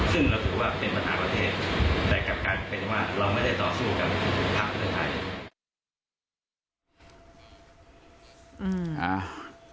ซึ่งเราถือว่าเป็นปัญหาประเทศแต่กลับกลายเป็นว่าเราไม่ได้ต่อสู้กับพักเพื่อไทย